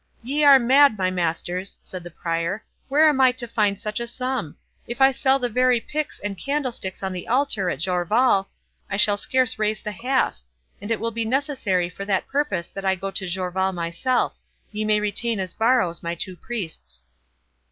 "Ye are mad, my masters," said the Prior; "where am I to find such a sum? If I sell the very pyx and candlesticks on the altar at Jorvaulx, I shall scarce raise the half; and it will be necessary for that purpose that I go to Jorvaulx myself; ye may retain as borrows 44 my two priests."